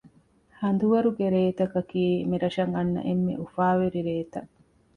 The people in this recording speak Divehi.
ހަނދުވަރުގެ ރޭތަކަކީ މިރަށަށް އަންނަ އެންމެ އުފާވެރި ރޭތައް